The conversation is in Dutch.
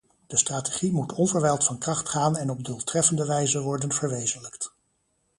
De strategie moet onverwijld van kracht gaan en op doeltreffende wijze worden verwezenlijkt.